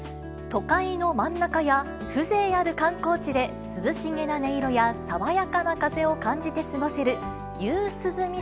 都会の真ん中や風情ある観光地で、涼しげな音色や爽やかな風を感じて過ごせる夕涼み